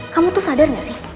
kamu tuh sadar gak sih